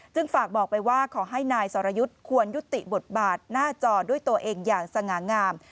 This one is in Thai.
ฝากบอกไปว่าขอให้นายสรยุทธ์ควรยุติบทบาทหน้าจอด้วยตัวเองอย่างสง่างาม